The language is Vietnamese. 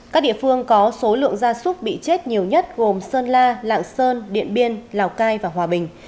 các địa phương có số lượng gia súc bị chết nhiều nhất gồm sơn la lạng sơn điện biên lào cai và hòa bình